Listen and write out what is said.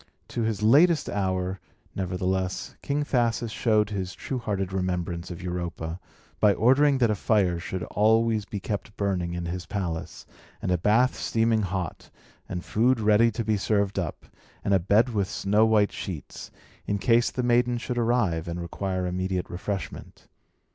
To his latest hour, nevertheless, King Thasus showed his true hearted remembrance of Europa, by ordering that a fire should always be kept burning in his palace, and a bath steaming hot, and food ready to be served up, and a bed with snow white sheets, in case the maiden should arrive, and require immediate refreshment.